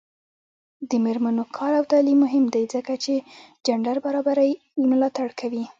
د میرمنو کار او تعلیم مهم دی ځکه چې جنډر برابرۍ ملاتړ کوي.